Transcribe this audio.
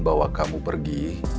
bawa kamu pergi